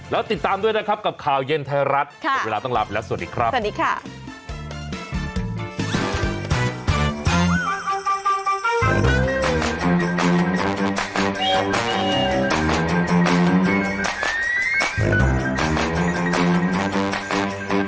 แล้วติดตามด้วยนะครับกับข่าวเย็นไทยรัฐหมดเวลาต้องลาไปแล้วสวัสดีครับสวัสดีค่ะ